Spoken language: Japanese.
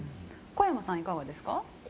小山さんはいかがですか？